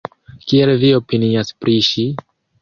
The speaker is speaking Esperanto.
Kiel vi opinias pri ŝi?